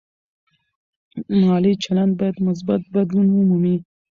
مالي چلند باید مثبت بدلون ومومي.